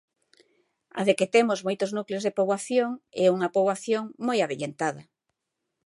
A de que temos moitos núcleos de poboación e unha poboación moi avellentada.